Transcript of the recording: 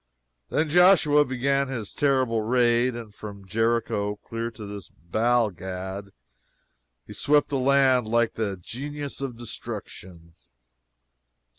Then Joshua began his terrible raid, and from Jericho clear to this Baal Gad, he swept the land like the Genius of Destruction.